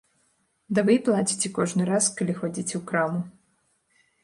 Ды вы і плаціце кожны раз, калі хадзіце ў краму.